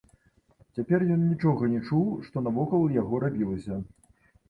Цяпер ён нічога не чуў, што навокал яго рабілася.